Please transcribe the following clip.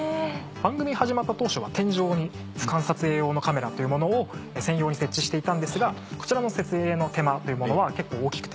番組が始まった当初は天井に俯瞰撮影用のカメラというものを専用に設置していたんですがこちらの設営の手間というものは結構大きくて。